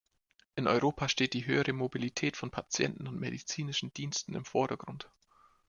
In Europa steht die höhere Mobilität von Patienten und medizinischen Diensten im Vordergrund.